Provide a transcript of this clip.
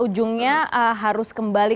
ujungnya harus kembali